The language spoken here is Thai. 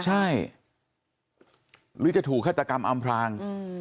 ใช่หรือจะถูกฆาตกรรมอำพลาง